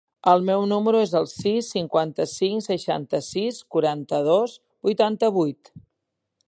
El meu número es el sis, cinquanta-cinc, seixanta-sis, quaranta-dos, vuitanta-vuit.